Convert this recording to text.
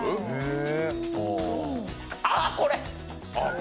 あー、これ！